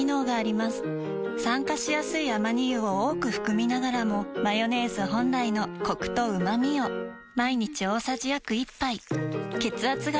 酸化しやすいアマニ油を多く含みながらもマヨネーズ本来のコクとうまみを毎日大さじ約１杯血圧が高めの方に機能性表示食品